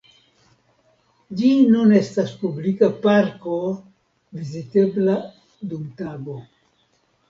Ĝi nun estas publika parko vizitebla dum tago.